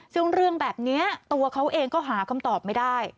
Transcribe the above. ซึ่งเรื่องแบบนี้ตัวเขาเองก็หาคำตอบไม่ได้